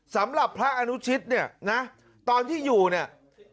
สำหรับพระอนุชิตเนี่ยนะตอนที่อยู่เนี่ย